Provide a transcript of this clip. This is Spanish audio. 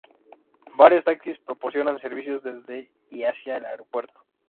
Varios taxis proporcionan servicios desde y hacia el aeropuerto.